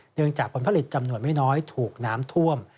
จากผลผลิตจำนวนไม่น้อยถูกน้ำท่วม